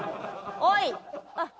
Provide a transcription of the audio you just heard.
「おい！！」